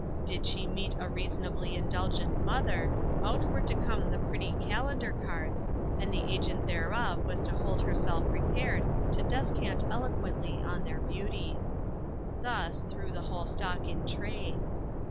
Did she meet a reasonably indul gent mother, out were to come the pretty calendar cards, and the agent thereof was MAKING OPPORTUNITIES. 121 to hold herself prepared to descant eloquently on their beauties. Thus, through the whole stock in trade.